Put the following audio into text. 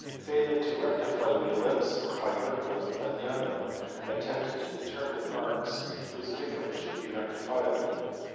Failing to rectify the ellipse or hyperbola, Fagnano attempted to determine arcs whose difference should be rectifiable.